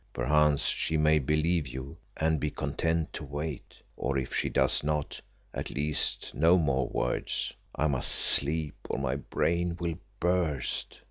Perchance she may believe you, and be content to wait; or if she does not, at least no more words. I must sleep or my brain will burst.